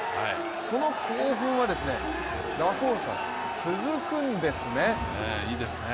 その興奮はラソーサ、続くんですね。